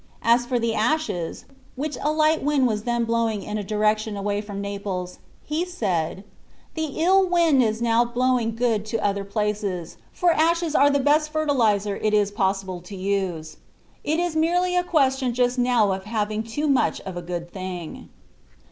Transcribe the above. As for the ashes, which a light wind was then blowing in a direction away from Naples, he said: "The ill wind is now blowing good to other places, for ashes are the best fertilizer it is possible to use. It is merely a question just now of having too much of a good thing."